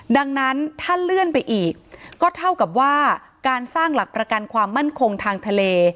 ดังนั้นถ้าเลื่อนไปอีกก็เท่ากับว่าการสร้างหลักประกันความมั่นคงทางทะเล